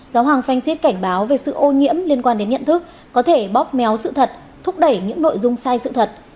giáo hoàng francis cảnh báo về sự ô nhiễm liên quan đến nhận thức có thể bóp méo sự thật thúc đẩy những nội dung sai sự thật